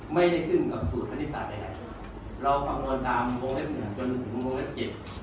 ไม่ได้ขึ้นกับสูตรคณิตศาสตร์ใดเราคำนวณตามวงเล็บหนึ่งจนถึงโมเล็บเจ็ด